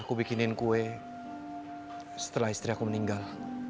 aku bikinin kue setelah istri aku meninggal